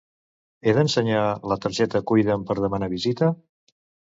He d'ensenyar la targeta Cuida'm per demanar visita?